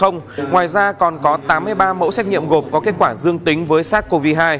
ngoài ra còn có tám mươi ba mẫu xét nghiệm gộp có kết quả dương tính với sars cov hai